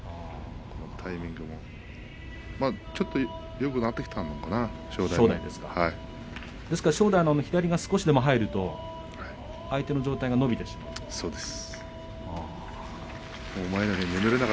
タイミングもちょっとよくなってきたのかな、正代の左が少し入ると相手の上体が伸びてしまうんですね。